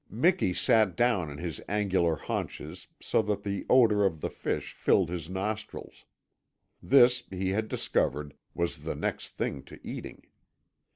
Miki sat down on his angular haunches so that the odour of the fish filled his nostrils. This, he had discovered, was the next thing to eating.